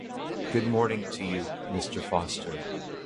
Good morning to you, Mr. Foster.